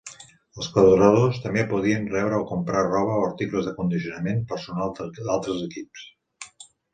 Els corredors també podien rebre o comprar roba o articles d'acondiciament personal d'altres equips.